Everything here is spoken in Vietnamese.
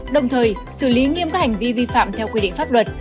đồng thời xử lý nghiêm các hành vi vi phạm theo quy định pháp luật